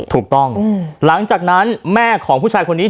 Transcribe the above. ถูกต้องหลังจากนั้นแม่ของผู้ชายคนนี้